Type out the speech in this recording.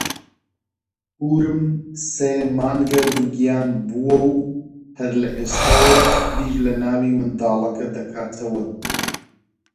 پوورم سێ مانگە دووگیان بووە و هەر لە ئێستاوە بیر لە ناوی منداڵەکە دەکاتەوە.